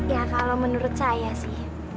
ya kalau menurut saya sih